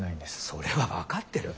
それは分かってる。